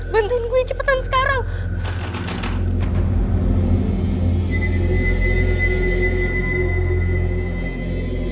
bantuin gue cepetan sekarang